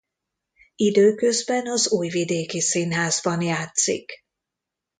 Időközben az Újvidéki Színházban játszik.